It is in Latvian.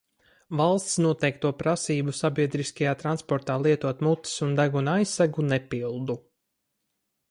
Valsts noteikto prasību sabiedriskajā transportā lietot mutes un deguna aizsegu nepildu.